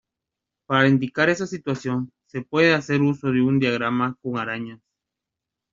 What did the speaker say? Para indicar esa situación se puede hacer uso de un diagrama con arañas.